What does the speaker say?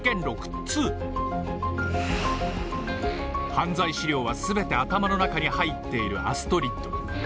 犯罪資料はすべて頭の中に入っているアストリッド。